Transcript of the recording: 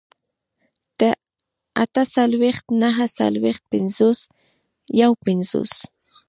اتهڅلوېښت، نههڅلوېښت، پينځوس، يوپينځوس